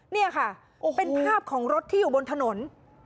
นี่ค่ะเป็นภาพของรถที่อยู่บนถนน